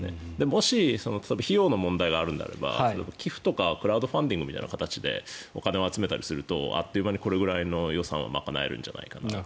もし、例えば費用の問題があるのであれば寄付とかクラウドファンディングみたいな形でお金を集めたりするとあっという間にこのくらいの予算を賄えるんじゃないかなと。